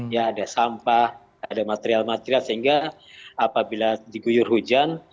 ya ada sampah ada material material sehingga apabila diguyur hujan